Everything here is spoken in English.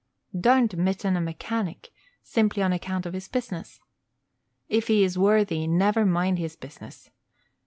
Don't mitten a mechanic, simply on account of his business. If he is worthy, never mind his business.